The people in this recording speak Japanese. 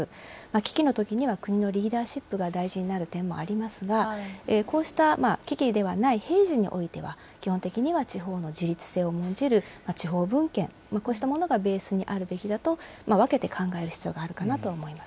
危機のときには、国のリーダーシップが大事になる点もありますが、こうした危機ではない平時においては、基本的には地方の自律性を重んじる地方分権、こうしたものがベースにあるべきだと、分けて考える必要があるかな思います。